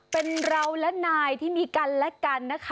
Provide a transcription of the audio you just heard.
เป็นเราและนายที่มีกันและกันนะคะ